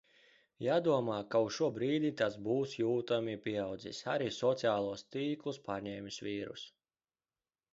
Jādomā, ka uz šo brīdi tas būs jūtami pieaudzis. Arī sociālos tīklus pārņēmis vīruss.